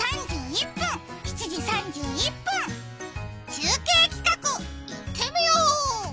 中継企画、いってみよう！